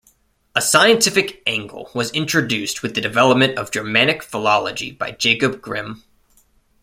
A scientific angle was introduced with the development of Germanic philology by Jacob Grimm.